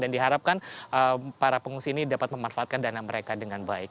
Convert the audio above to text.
dan diharapkan para pengungsi ini dapat memanfaatkan dana mereka dengan baik